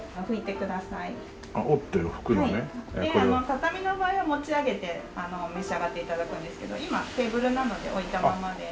畳の場合は持ち上げて召し上がって頂くんですけど今テーブルなので置いたままで。